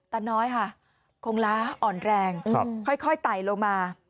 ตาน้อยค่ะคงล้าอ่อนแรงค่อยไต่ลงมา